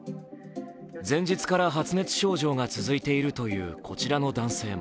前日から発熱症状が続いているというこちらの男性も